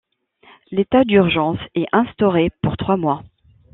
L'état d'urgence est instauré pour trois mois.